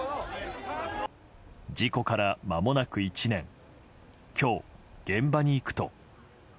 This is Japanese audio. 事故から間もなく１年今日、現場に行くと。